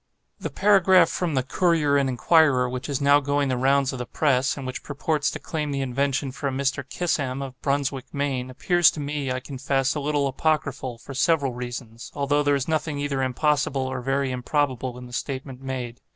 The paragraph from the 'Courier and Enquirer,' which is now going the rounds of the press, and which purports to claim the invention for a Mr. Kissam, of Brunswick, Maine, appears to me, I confess, a little apocryphal, for several reasons; although there is nothing either impossible or very improbable in the statement made.